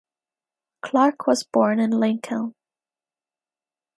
Clarke was born in Lincoln.